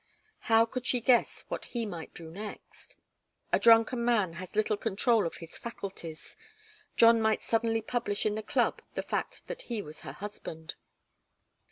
How could she guess what he might do next? A drunken man has little control of his faculties John might suddenly publish in the club the fact that he was her husband.